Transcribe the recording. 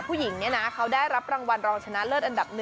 ผู้หญิงเนี่ยนะเขาได้รับรางวัลรองชนะเลิศอันดับ๑